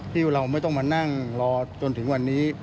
ที่เราไม่ต้องมานั่งรอจนถึงวันนี้